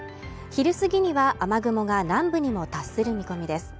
昼過ぎには雨雲が南部にも達する見込みです